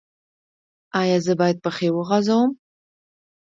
ایا زه باید پښې وغځوم؟